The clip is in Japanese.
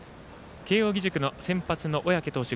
慶応義塾の先発の小宅投手。